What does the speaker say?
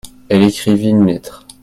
Elle écrivit une lettre.